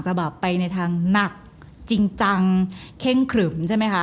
แบบไปในทางหนักจริงจังเข้งขลึมใช่ไหมคะ